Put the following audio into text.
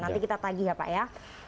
nanti kita tagih ya pak ya